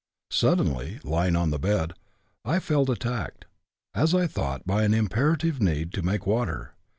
Suddenly, lying on the bed, I felt attacked, as I thought, by an imperative need to make water.